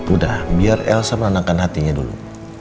udah biar elsa menenangkan hatinya dulu